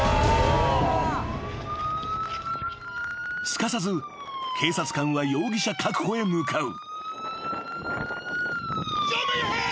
［すかさず警察官は容疑者確保へ向かう］